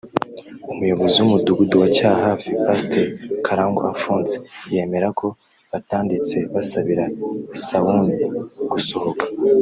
umuyobozi w’umudugudu wa Cyahafi Pasiteri Karangwa Alphonse yemera ko batanditse basabira Sauni gusohoka